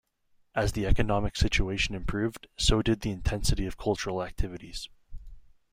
As the economic situation improved, so did the intensity of cultural activities.